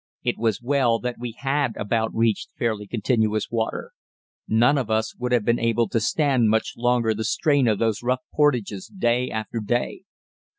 It was well that we had about reached fairly continuous water. None of us would have been able to stand much longer the strain of those rough portages day after day.